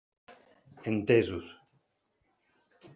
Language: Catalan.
Entesos.